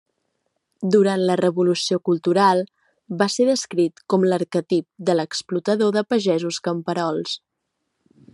Durant la revolució cultural, va ser descrit com l'arquetip de l'explotador de pagesos camperols.